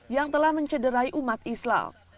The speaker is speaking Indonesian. yang telah mencederai umat islam